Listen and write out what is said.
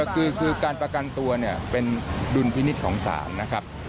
คือการประกันตัวเนี่ยเป็นดุลพินิษฐ์ของศาลนะครับ